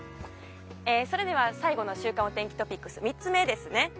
それでは最後の週間お天気トピックス３つ目ですね。